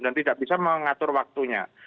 dan tidak bisa mengatur waktunya